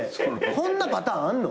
こんなパターンあんの？